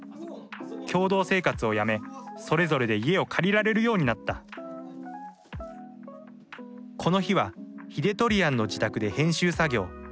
共同生活をやめそれぞれで家を借りられるようになったこの日はヒデトリアンの自宅で編集作業。